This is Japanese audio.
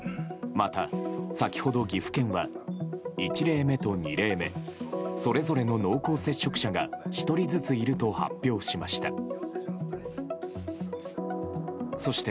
また、先ほど岐阜県は１例目と２例目それぞれの濃厚接触者が１人ずついると発表しました。